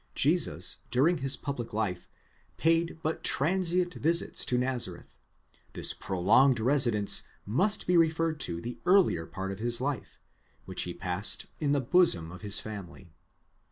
Jesus, during his public life, paid but transient visits to Nazareth, this prolonged residence must be referred to the earlier part of his life, which he passed in the bosom of his family.